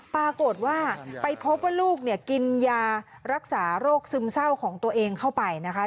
ปรากฏว่าไปพบว่าลูกเนี่ยกินยารักษาโรคซึมเศร้าของตัวเองเข้าไปนะคะ